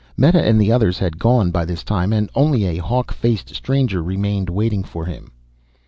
Meta and the others had gone by this time and only a hawk faced stranger remained, waiting for him.